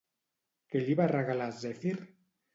Què li va regalar Zèfir?